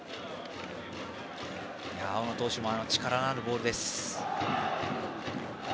青野投手も力のあるボールです。